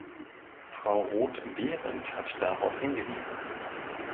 Frau Roth-Behrendt hat darauf hingewiesen.